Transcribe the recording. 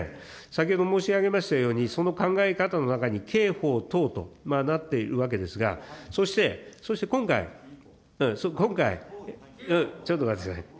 先ほど申し上げましたように、その考え方の中に刑法等となっているわけですが、そして、そして、今回、今回、ちょっと待ってください。